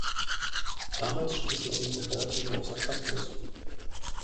Damals stießen unsere Worte nur auf Sarkasmus.